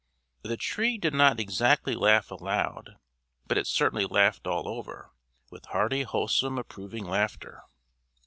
The Tree did not exactly laugh aloud, but it certainly laughed all over with hearty wholesome approving laughter.